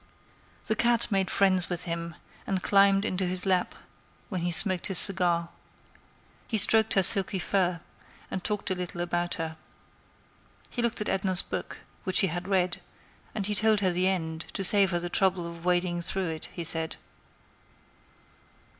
The cat made friends with him, and climbed into his lap when he smoked his cigar. He stroked her silky fur, and talked a little about her. He looked at Edna's book, which he had read; and he told her the end, to save her the trouble of wading through it, he said.